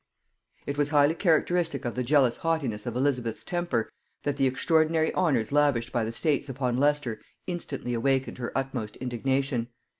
It was highly characteristic of the jealous haughtiness of Elizabeth's temper, that the extraordinary honors lavished by the States upon Leicester instantly awakened her utmost indignation.